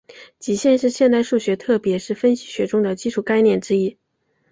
极限是现代数学特别是分析学中的基础概念之一。